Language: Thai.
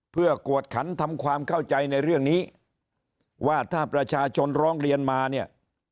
เพื่อกวดขันทำความเข้าใจในเรื่องนี้ว่าถ้าประชาชนร้องเรียนมาเนี่ย